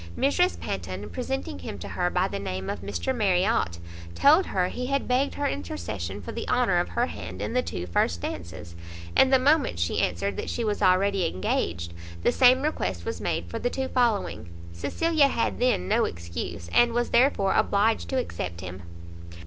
Mrs Panton, presenting him to her by the name of Mr Marriot, told her he had begged her intercession for the honour of her hand in the two first dances; and the moment she answered that she was already engaged, the same request was made for the two following. Cecilia had then no excuse, and was therefore obliged to accept him.